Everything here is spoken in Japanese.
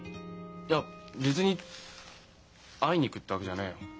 いや別に会いに行くってわけじゃねえよ。